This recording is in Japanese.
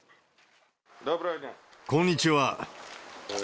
こんにちは。